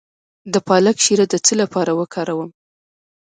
د پالک شیره د څه لپاره وکاروم؟